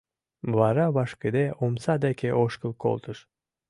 Вара вашкыде омса деке ошкыл колтыш.